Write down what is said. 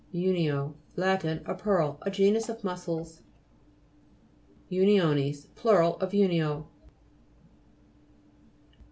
U'NIO Lat. A pearl. A genus of mussels. UNIONES plur. of unio.